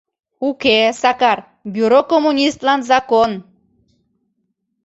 — Уке, Сакар, бюро — коммунистлан закон.